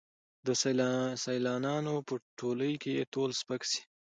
د سیالانو په ټولۍ کي یې تول سپک سي